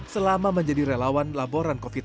selama menjadi relawan laboran covid sembilan belas